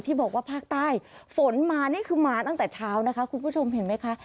ที่บอกว่าภาคใต้ฝนมานี่คือมาตั้งแต่เช้านะคะคุณผู้ชมเห็นไหมคะ